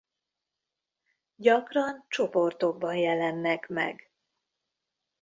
Gyakran csoportokban jelennek meg.